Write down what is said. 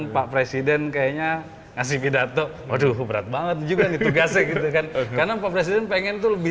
pak presiden kayaknya ngasih pidato waduh berat banget juga patrick karena lemari pengen tuh lebih